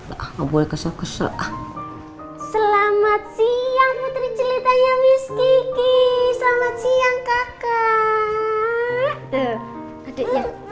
aku boleh kesal kesal selamat siang putri ceritanya miski selamat siang kakak adeknya